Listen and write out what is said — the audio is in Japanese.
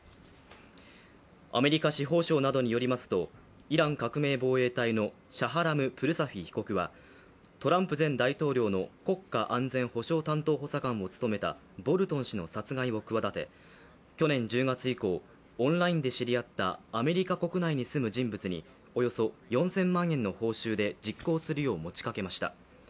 アメリカ司法省などによりますと、イラン革命防衛隊のシャハラム・プルサフィ被告はトランプ前大統領の国家安全保障担当補佐官を務めたボルトン氏の殺害を企て去年１０月以降、オンラインで知り合ったアメリカ国内で住む人物におよそ４０００万円の報酬で実行するよう持ちかけました。